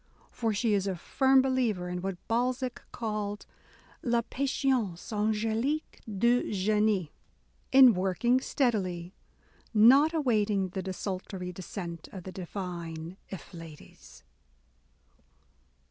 For she is a firm believer in what Balzac called /« patience angdique du genie," in working steadily, — not awaiting the desultory descent of the divine afflatus.